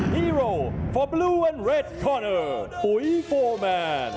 ฮีโรของบลูแลนด์และเร็ดคอร์เนอร์ปุ๊ยโฟร์แมน